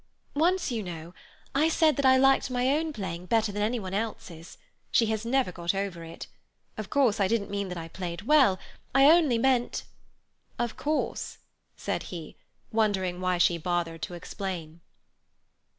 Once, you know, I said that I liked my own playing better than any one's. She has never got over it. Of course, I didn't mean that I played well; I only meant—" "Of course," said he, wondering why she bothered to explain.